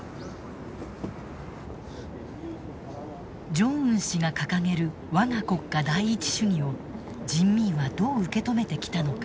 ジョンウン氏が掲げるわが国家第一主義を人民はどう受け止めてきたのか。